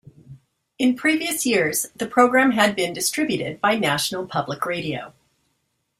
In previous years, the program had been distributed by National Public Radio.